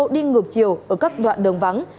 đi ngược chiều ở các đoạn đường vắng